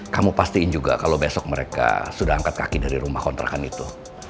kamu pastiin juga kalau besok mereka sudah angkat kaki dari rumah kontrakan itu